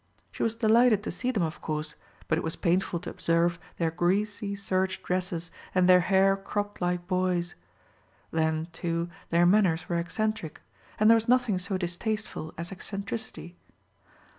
She was delighted to see them of course; but it was painful to observe their greasy serge dresses and their hair cropped like boys. Then, too, their manners were eccentric; and there was nothing so distasteful as eccentricity.